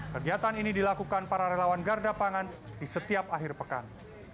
kegiatan ini dilakukan para relawan garda pangan di setiap akhir pekan